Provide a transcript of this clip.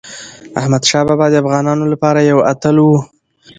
احمدشاه بابا د افغانانو لپاره یو اتل و.